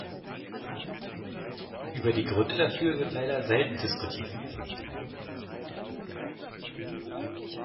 Über die Gründe dafür wird leider selten diskutiert.